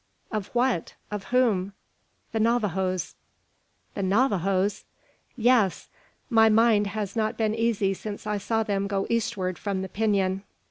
"Of what? of whom?" "The Navajoes." "The Navajoes!" "Yes. My mind has not been easy since I saw them go eastward from the Pinon.